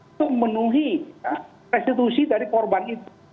untuk memenuhi restitusi dari korban itu